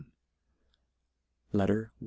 LETTER I